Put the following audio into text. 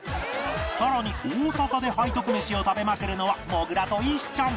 さらに大阪で背徳メシを食べまくるのはもぐらと石ちゃん